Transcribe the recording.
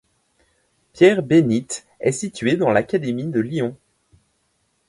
Pierre-Bénite est située dans l'académie de Lyon.